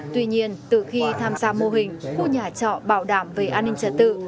tuy nhiên từ khi tham gia mô hình khu nhà trọ bảo đảm về an ninh trật tự